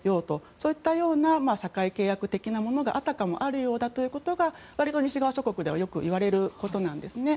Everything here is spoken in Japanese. そういった社会契約のようなものがあたかもあるようだということがわりと西側諸国ではよくいわれることなんですね。